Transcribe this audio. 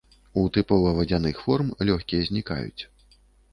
У тыпова вадзяных форм лёгкія знікаюць.